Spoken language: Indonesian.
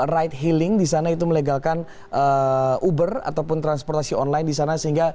ride healing di sana itu melegalkan uber ataupun transportasi online di sana sehingga